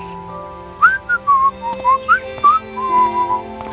tidak ada yang bisa dikutuk